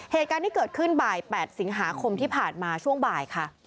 เหตุการณ์ที่เกิดขึ้นบ่าย๘สิงหาคมที่ผ่านมาช่วงบ่ายค่ะ